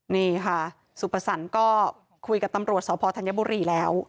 นี่ค่ะสุปสรรค์ก็คุยกับตำรวจสพธัญบุรีแล้ว